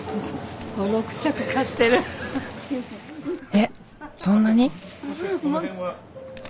えっそんなに？